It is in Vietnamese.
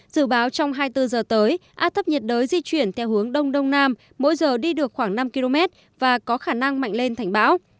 dự báo trong hai mươi bốn giờ tới áp thấp nhiệt đới di chuyển theo hướng đông đông nam mỗi giờ đi được khoảng năm km và có khả năng mạnh lên thành bão